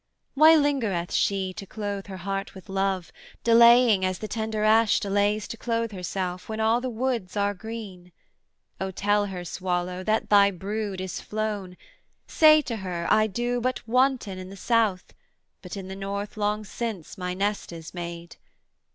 'Why lingereth she to clothe her heart with love, Delaying as the tender ash delays To clothe herself, when all the woods are green? 'O tell her, Swallow, that thy brood is flown: Say to her, I do but wanton in the South, But in the North long since my nest is made.